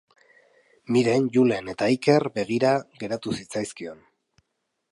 Miren, Julen eta Iker begira geratu zitzaizkion.